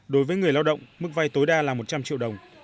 đối với người lao động mức vay tối đa là một trăm linh triệu đồng